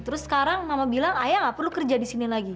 terus sekarang mama bilang ayah gak perlu kerja di sini lagi